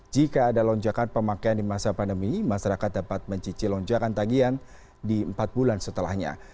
jika ada lonjakan pemakaian di masa pandemi masyarakat dapat mencici lonjakan tagian di empat bulan setelahnya